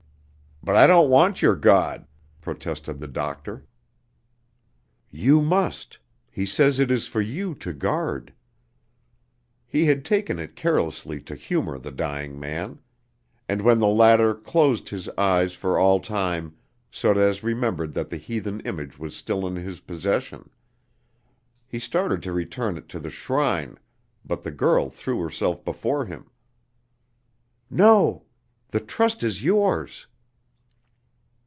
"But I don't want your god," protested the doctor. "You must. He says it is for you to guard." He had taken it carelessly to humor the dying man. And when the latter closed his eyes for all time, Sorez remembered that the heathen image was still in his possession. He started to return it to the shrine, but the girl threw herself before him. "No. The trust is yours."